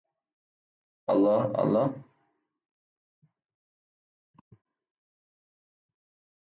Its name comes from the Venetian "liston".